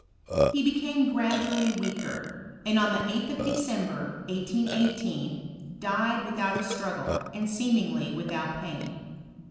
He became gradually weaker, and on the 8th of December, 1818, died* without a struggle, and seemingly without pain.